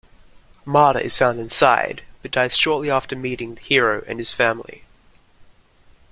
Mada is found inside, but dies shortly after meeting the Hero and his family.